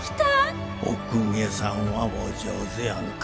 お公家さんはお上手やなぁ。